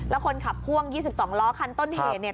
และคนขับพ่วง๒๒ล้อคันต้นเหตุ